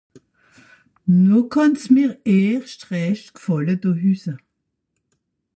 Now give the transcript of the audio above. No kànn's mìr erscht rächt gfàlle do hüsse